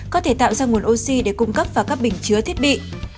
có thể tạo ra nguồn oxy để cung cấp vào các bình chứa thiết bị